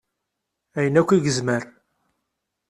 Ayen akk i yezmer.